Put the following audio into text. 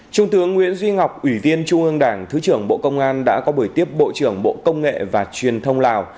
trung tướng nguyễn duy ngọc ủy viên trung ương đảng thứ trưởng bộ công an đã có buổi tiếp bộ trưởng bộ công nghệ và truyền thông lào